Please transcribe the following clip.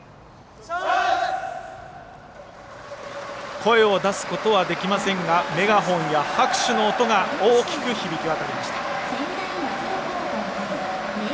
声を出すことはできませんがメガホンや拍手の音が大きく響き渡りました。